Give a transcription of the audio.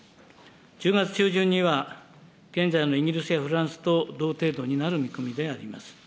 １０月中旬には、現在のイギリスやフランスと同程度になる見込みであります。